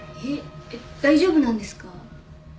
えっ大丈夫なんですか？